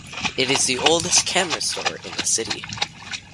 It is the oldest camera store in the city.